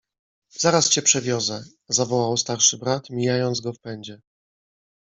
— Zaraz cię przewiozę! — zawołał starszy brat, mijając go w pędzie.